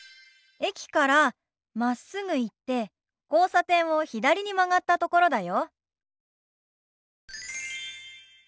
駅からまっすぐ行って交差点を左に曲がったところだよ。